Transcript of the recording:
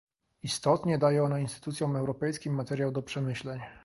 Istotnie, daje ona instytucjom europejskim materiał do przemyśleń